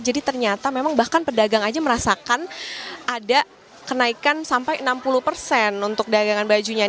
jadi ternyata memang bahkan pedagang aja merasakan ada kenaikan sampai enam puluh untuk dagangan bajunya